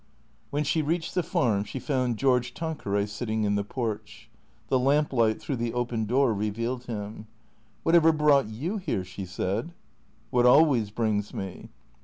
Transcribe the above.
AYhen she reached the farm she found George Tanqueray sit ting in the porch. The lamp light through the open door re vealed him. " Whatever brought you here ?" she said. " What always brings me."